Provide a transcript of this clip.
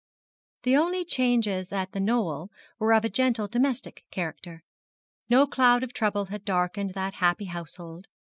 The only changes at The Knoll were of a gentle domestic character. No cloud of trouble had darkened that happy household.